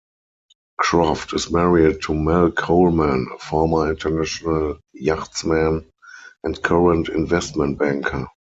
Croft is married to Mel Coleman, a former international yachtsman and current investment banker.